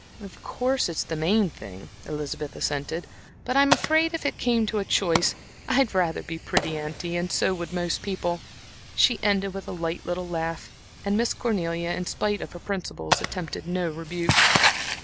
"Of course, it's the main thing," Elizabeth assented, "but I'm afraid if it came to a choice, I'd rather be pretty, auntie, and so would most people." She ended with a light little laugh, and Miss Cornelia, in spite of her principles, attempted no rebuke.